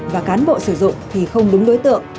và cán bộ sử dụng thì không đúng đối tượng